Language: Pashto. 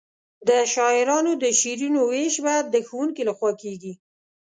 د شاعرانو د شعرونو وېش به د ښوونکي له خوا کیږي.